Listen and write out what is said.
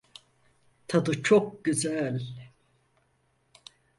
Tadı çok güzel.